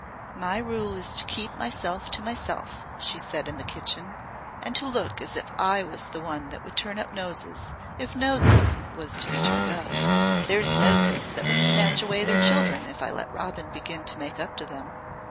"My rule is to keep myself to myself," she said in the kitchen, "and to look as if I was the one that would turn up noses, if noses was to be turned up. There's those that would snatch away their children if I let Robin begin to make up to them."